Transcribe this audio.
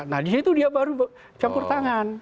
nah disitu dia baru campur tangan